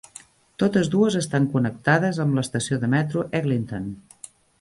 Totes dues estan connectades amb l'estació de metro Eglinton.